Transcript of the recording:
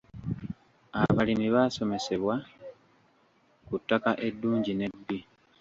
Abalimi baasomesebwa ku ttaka eddungi n'ebbi.